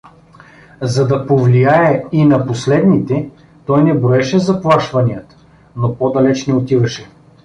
За да повлияе и на последните, той не броеше заплашванията, но по-далеч не отиваше.